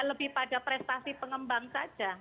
lebih pada prestasi pengembang saja